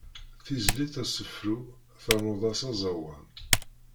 Tizlit d asefru, ternuḍ-as aẓawan.